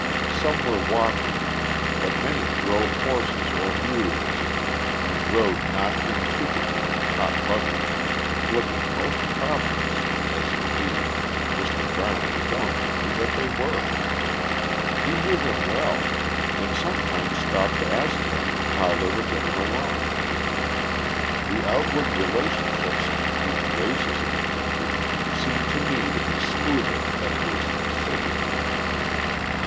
Some were walking, but many drove horses or mules and rode not infrequently in top buggies, looking most prosperous, as indeed, Mr. Brown informed me that they were. He knew them all, and sometimes stopped to ask them how they were getting along. The outward relationships between the races in the country seem to me to be smoother than it is in the city.